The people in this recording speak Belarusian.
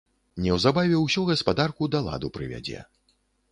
Неўзабаве ўсю гаспадарку да ладу прывядзе.